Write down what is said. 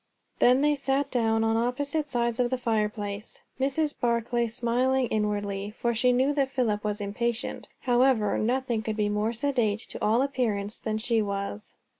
Then they sat down on opposite sides of the fireplace; Mrs. Barclay smiling inwardly, for she knew that Philip was impatient; however, nothing could be more sedate to all appearance than she was.